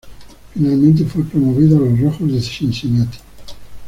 Finalmente fue promovido a los Rojos de Cincinnati.